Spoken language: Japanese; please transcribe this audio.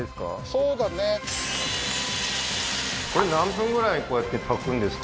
そうだねこれ何分ぐらいこうやって炊くんですか？